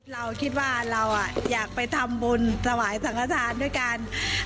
เราคิดว่าเราอยากไปทำบุญถวายสังฆฐานด้วยกัน